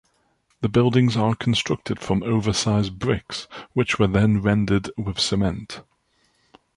The buildings are constructed from oversize bricks, which were then rendered with cement.